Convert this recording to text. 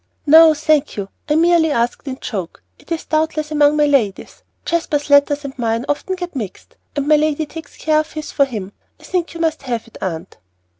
"No, thank you. I merely asked in joke; it is doubtless among my lady's. Jasper's letters and mine often get mixed, and my lady takes care of his for him. I think you must have it, Aunt."